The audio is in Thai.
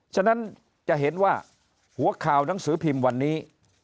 ฉะนั้นจะเห็นว่าหัวข่าวหนังสือพิมพ์วันนี้